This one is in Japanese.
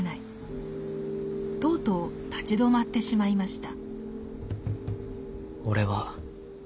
とうとう立ち止まってしまいました。